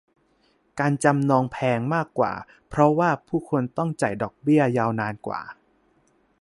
การจำนองแพงมากกว่าเพราะว่าผู้คนต้องจ่ายดอกเบี้ยยาวนานกว่า